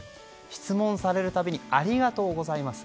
質問される度にありがとうございます。